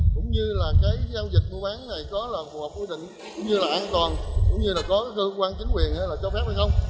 cũng như là cái giao dịch mua bán này có là phù hợp quy định cũng như là an toàn cũng như là có cơ quan chính quyền là cho phép hay không